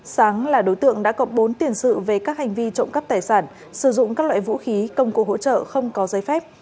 sáng là đối tượng đã có bốn tiền sự về các hành vi trộm cắp tài sản sử dụng các loại vũ khí công cụ hỗ trợ không có giấy phép